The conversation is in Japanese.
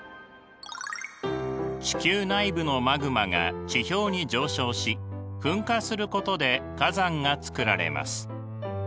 地球内部のマグマが地表に上昇し噴火することで火山がつくられます。